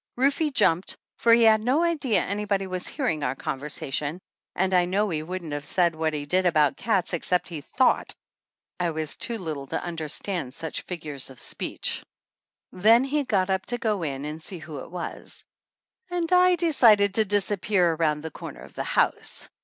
Rufe jumped, for he had no idea anybody was hearing our conversa tion ; and I know he wouldn't have said what he did about cats except he thought I was too little to understand such figures of speech. Then he got up to go in and see who it was. And I de cided to disappear around the corner of the house.